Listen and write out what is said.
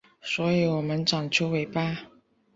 所以我们长出尾巴